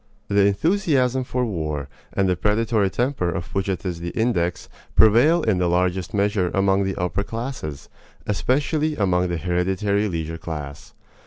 The enthusiasm for war, and the predatory temper of which it is the index, prevail in the largest measure among the upper classes, especially among the hereditary leisure class.